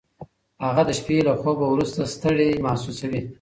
هغه د شپې له خوبه وروسته ستړی محسوسوي.